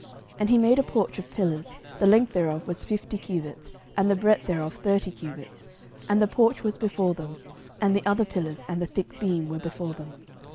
11:007:006 And he made a porch of pillars; the length thereof was fifty cubits, and the breadth thereof thirty cubits: and the porch was before them: and the other pillars and the thick beam were before them.